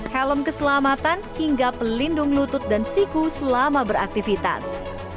helm keselamatan hingga pelindung lutut dan siku selama beraktivitas